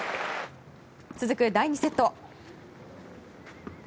続く第２セット。